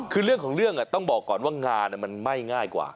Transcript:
คือเรื่องของเรื่องต้องบอกก่อนว่างานมันไม่ง่ายกว่า